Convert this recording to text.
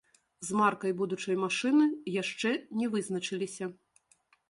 З маркай будучай машыны яшчэ не вызначыліся.